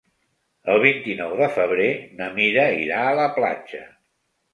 El vint-i-nou de febrer na Mira irà a la platja.